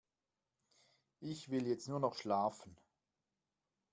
Ich will jetzt nur noch schlafen.